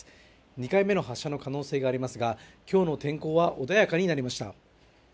２回目の発射の可能性がありますが、今日の天候は穏やかになりました。